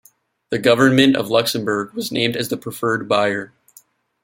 The government of Luxembourg was named as the preferred buyer.